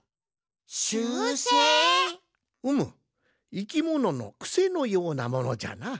いきもののくせのようなものじゃな。